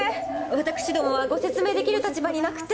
私どもはご説明できる立場になくて。